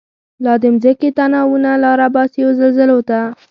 لا د مځکی تناوونه، لاره باسی زلزلوته